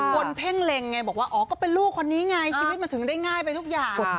เพ่งเล็งไงบอกว่าอ๋อก็เป็นลูกคนนี้ไงชีวิตมันถึงได้ง่ายไปทุกอย่าง